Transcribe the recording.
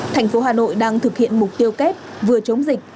thành phố hà nội đang thực hiện mục tiêu kép vừa chống dịch